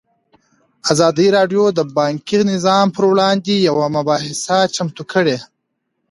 ازادي راډیو د بانکي نظام پر وړاندې یوه مباحثه چمتو کړې.